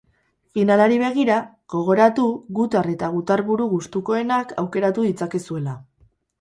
Finalari begira, gogoratu, gutar eta gutarburu gustukoenak aukeratu ditzakezuela.